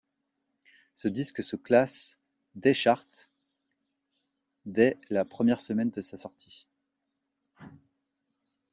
Ce disque, se classe des charts dès la première semaine de sa sortie.